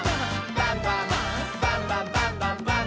バンバン」「バンバンバンバンバンバン！」